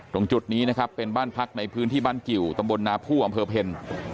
ตรงจุดนี้นะครับเป็นบ้านพักในพื้นที่บ้านกิวตำบลนาผู้อำเภอเพล